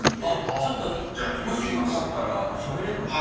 ちょっともしよかったらしゃべれるのかな？